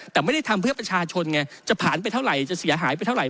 แต่ไม่ได้ทำเพื่อประชาชนไงจะผ่านไปเท่าไหร่จะเสียหายไปเท่าไห